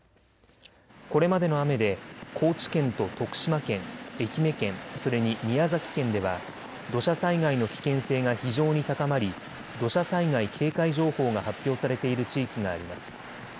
これまでの雨で高知県と徳島県、愛媛県、それに宮崎県では土砂災害の危険性が非常に高まり土砂災害警戒情報が発表されている地域があります。